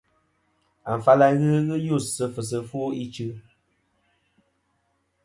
Afal a ghɨ ghɨ us sɨ fɨsi ɨfwo ichɨ.